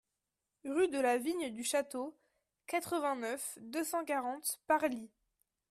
Rue de la Vigne du Château, quatre-vingt-neuf, deux cent quarante Parly